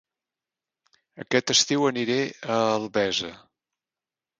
Aquest estiu aniré a Albesa